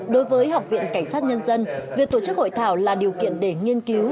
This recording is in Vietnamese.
đối với học viện cảnh sát nhân dân việc tổ chức hội thảo là điều kiện để nghiên cứu